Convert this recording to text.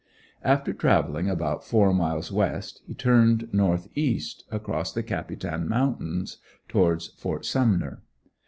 After traveling about four miles west he turned north east, across the Capitan mountains, towards Ft. Sumner.